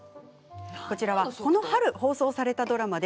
こちらはこの春放送されたドラマ。